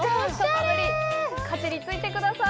かぶりついてください。